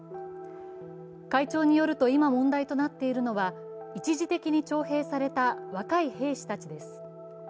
会長によると今問題となっているのは一時的に徴兵された若い兵士たちです。